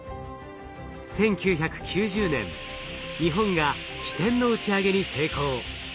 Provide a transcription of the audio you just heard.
１９９０年日本が「ひてん」の打ち上げに成功。